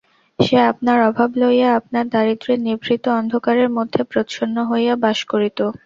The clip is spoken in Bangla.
সে আপনার অভাব লইয়া আপনার দারিদ্র্যের নিভৃত অন্ধকারের মধ্যে প্রচ্ছন্ন হইয়া বাস করিত।